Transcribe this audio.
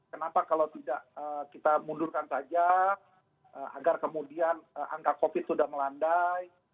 kenapa kalau tidak kita mundurkan saja agar kemudian angka covid sudah melandai